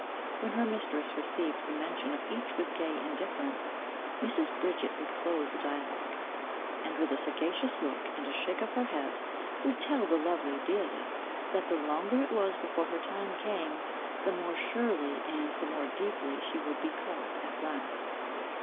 When her mistress received the mention of each with gay indifference, Mrs. Bridget would close the dialogue, and with a sagacious look, and a shake of her head, would tell the lovely Delia, that the longer it was before her time came, the more surely and the more deeply she would be caught at last.